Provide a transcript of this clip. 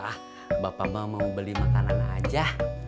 ah bapak bapak mau beli makanan aja